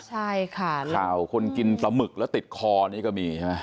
ใช่ค่ะข่าวคนกินปลาหมึกแล้วติดคอนี่ก็มีใช่ไหม